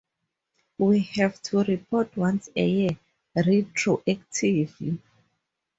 We have to report once a year, retroactively.